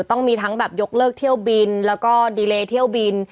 ต้องมีทั้งแบบยกเลิกเที่ยวบินแล้วก็ดีเลเที่ยวบิน